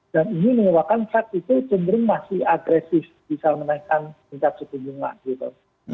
dan ini menyebabkan fed itu cenderung masih agresif bisa menaikkan tingkat suku bunga gitu